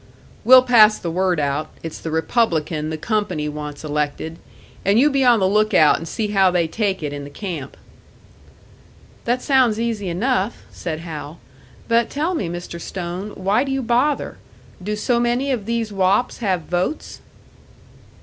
"We'll pass the word out, it's the Republican the company wants elected; and you be on the lookout and see how they take it in the camp." "That sounds easy enough," said Hal. "But tell me, Mr. Stone, why do you bother? Do so many of these wops have votes?"